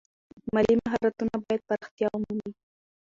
مالي مهارتونه باید پراختیا ومومي.